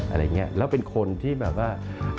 อะไรอย่างนี้แล้วเป็นคนที่แบบว่า